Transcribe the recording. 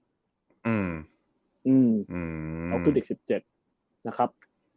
อืมเขาคือเด็ก๑๗นะครับ